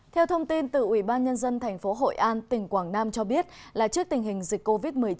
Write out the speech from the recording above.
theo thông tin từ ủy ban nhân dân tp hội an tỉnh quảng nam cho biết là trước tình hình dịch covid một mươi chín